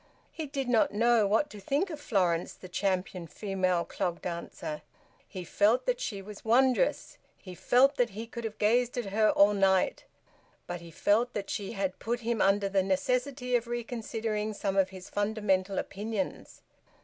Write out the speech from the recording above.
He did not know what to think of Florence, the champion female clog dancer. He felt that she was wondrous; he felt that he could have gazed at her all night; but he felt that she had put him under the necessity of reconsidering some of his fundamental opinions.